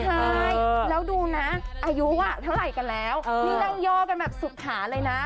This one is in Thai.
ใช่แล้วดูนะอายุอ่ะเท่าไหร่กันแล้วนี่ต้องย่อกันแบบสุดขาเลยนะ